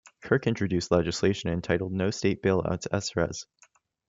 Kirk introduced legislation entitled No State Bailouts, S. Res.